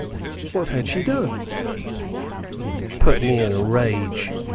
"What had she done?" "Put me in a rage.